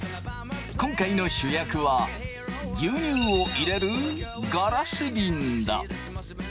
今回の主役は牛乳を入れるガラスびんだ。